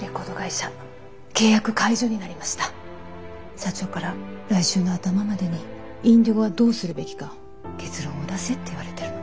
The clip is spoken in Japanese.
社長から来週の頭までにＩｎｄｉｇｏをどうするべきか結論を出せって言われてるの。